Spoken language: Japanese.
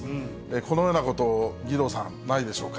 このようなこと、義堂さん、ないでしょうか。